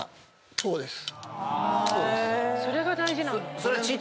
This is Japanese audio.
そうです。